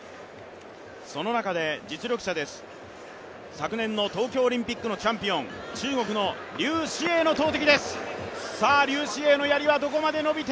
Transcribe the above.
その中で実力者です、昨年の東京オリンピックのチャンピオン、中国の劉詩穎の投てきです。